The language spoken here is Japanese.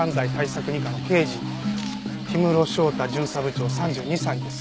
二課の刑事氷室翔太巡査部長３２歳です。